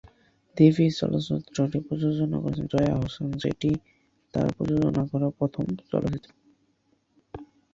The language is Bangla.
দেবী চলচ্চিত্রটি প্রযোজনা করছেন জয়া আহসান, যেটি তার প্রযোজনা করা প্রথম চলচ্চিত্র।